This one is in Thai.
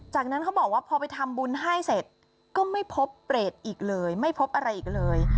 จากนั้นเขาบอกว่าพอไปทำบุญให้เสร็จก็ไม่พบเปรตอีกเลยไม่พบอะไรอีกเลย